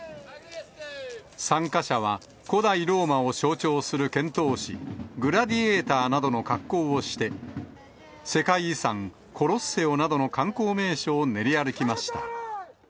参加者は古代ローマを象徴する剣闘士、グラディエーターなどの格好をして、世界遺産、コロッセオなどの観光名所を練り歩きました。